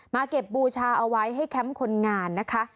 เก็บบูชาเอาไว้ให้แคมป์คนงานนะคะ